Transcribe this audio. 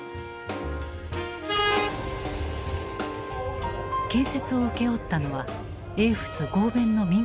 建設を請け負ったのは英仏合弁の民間会社だった。